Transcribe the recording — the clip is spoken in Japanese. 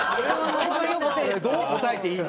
どう答えていいの？